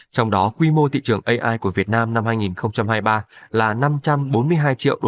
trong đó quy mô thị trường ai của việt nam năm hai nghìn hai mươi ba là năm trăm bốn mươi hai triệu usd